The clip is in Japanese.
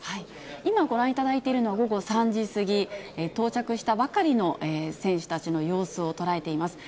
今、ご覧いただいているのは、午後３時過ぎ、到着したばかりの選手たちの様子を捉えています。